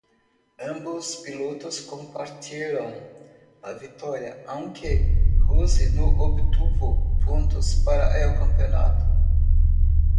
Ambos pilotos compartieron la victoria, aunque Rose no obtuvo puntos para el campeonato.